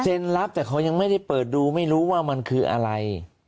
รับแต่เขายังไม่ได้เปิดดูไม่รู้ว่ามันคืออะไร